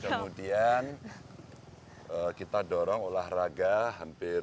kemudian kita dorong olahraga hampir